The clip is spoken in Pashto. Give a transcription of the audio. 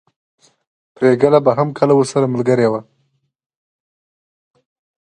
پريګله به هم کله ورسره ملګرې وه